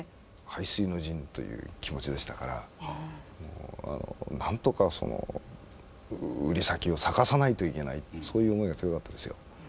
背水の陣という気持ちでしたからなんとか売り先を探さないといけないそういう思いが強かったですよ。